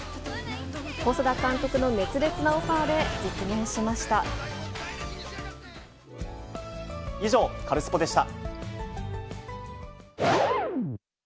細田監督の熱烈なオファーで実現以上、カルスポっ！でした。